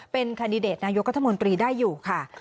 เป็นคันดิเดตนายกรัฐมนตรีได้อยู่ค่ะ